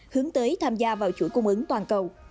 hướng tới tham gia vào chuỗi cung ứng toàn cầu